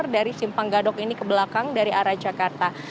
dari simpang gadok ini ke belakang dari arah jakarta